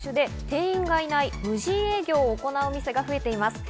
今、さまざまな業種で店員がいない無人営業を行うお店が増えています。